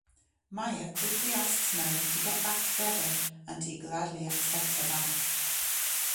Maya quickly asks Moe to get back together and he gladly accepts her back.